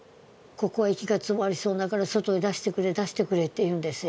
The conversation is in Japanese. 息が詰まりそうだから外へ出してくれ、出してくれって言うんですよ